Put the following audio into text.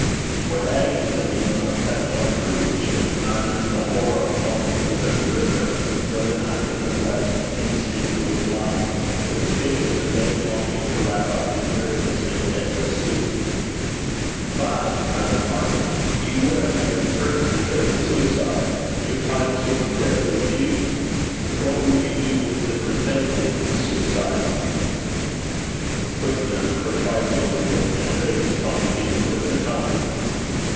What agonies a man must have gone through in whom neither the horror of falling into such a river, nor of the knife in the flesh instinct with life, can extinguish the vague longing to wrap up his weariness in an endless sleep!' 'But,' I remarked, 'you would, I fear, encourage the trade in suicide. Your kindness would be terribly abused. What would you do with the pretended suicides?' 'Whip them, for trifling with and trading upon the feelings of their kind.'